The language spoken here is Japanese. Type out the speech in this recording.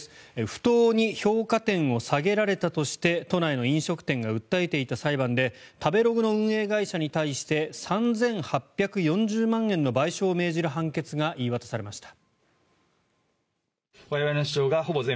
不当に評価点を下げられたとして都内の飲食店が訴えていた裁判で食べログの運営会社に対して３８４０万円の賠償を命じる判決が言い渡されました。